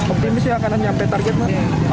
optimis ya karena nyampe targetnya